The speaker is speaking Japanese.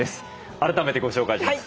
改めてご紹介します。